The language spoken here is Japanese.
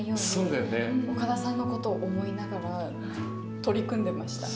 岡田さんのことを思いながら、取り組んでました。